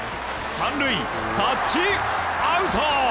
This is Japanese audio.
３塁タッチアウト！